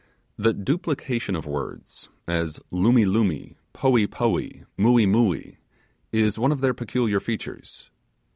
The duplication of words, as 'lumee lumee', 'poee poee', 'muee muee', is one of their peculiar features.